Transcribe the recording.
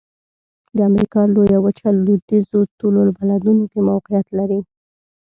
د امریکا لویه وچه لویدیځو طول البلدونو کې موقعیت لري.